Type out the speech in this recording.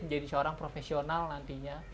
menjadi seorang profesional nantinya